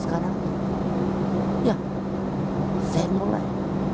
sekarang ya saya mulai